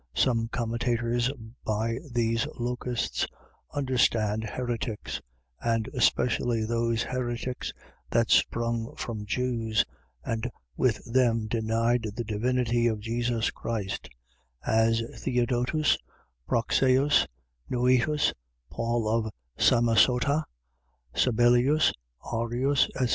Some commentators by these locusts understand heretics, and especially those heretics, that sprung from Jews, and with them denied the divinity of Jesus Christ; as Theodotus, Praxeas, Noetus, Paul of Samosata, Sabellius, Arius, etc.